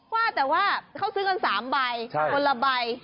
ว่าแต่ว่าเขาซื้อกัน๓ใบคนละใบ